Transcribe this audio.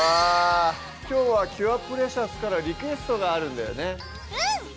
きょうはキュアプレシャスからリクエストがあるんだよねうん！